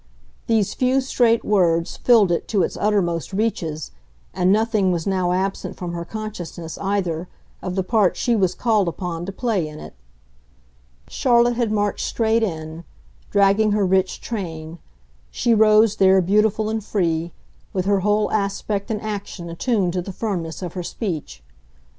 These few straight words filled it to its uttermost reaches, and nothing was now absent from her consciousness, either, of the part she was called upon to play in it. Charlotte had marched straight in, dragging her rich train; she rose there beautiful and free, with her whole aspect and action attuned to the firmness of her speech.